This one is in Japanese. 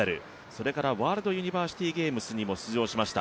それからワールドユニバーシティゲームズにも出場しました。